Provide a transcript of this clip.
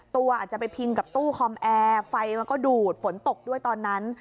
ตัวอาจจะไปพิงกับตู้คอมแอร์ไฟมันก็ดูดฝนตกด้วยตอนนั้น